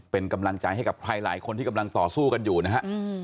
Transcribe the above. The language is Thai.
เป็นกำลังใจให้กับใครหลายคนที่กำลังต่อสู้กันอยู่นะฮะ